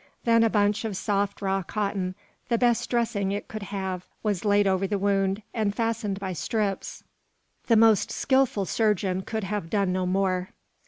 Then a bunch of soft raw cotton, the best dressing it could have, was laid over the wound, and fastened by strips. The most skilful surgeon could have done no more.